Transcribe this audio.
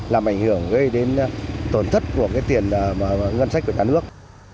làm ảnh hưởng gây đến tổn thất của cái tiền ngân sách của cả nước